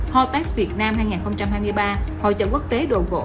hotex việt nam hai nghìn hai mươi ba hội trợ quốc tế đồ gỗ